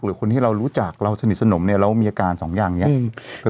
คนที่เรารู้จักเราสนิทสนมเนี่ยเรามีอาการสองอย่างนี้